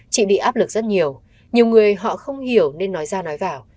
chị bị áp lực rất nhiều nhiều người họ không hiểu nên nói ra nói vào